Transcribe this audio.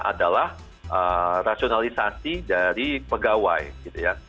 adalah rasionalisasi dari pegawai gitu ya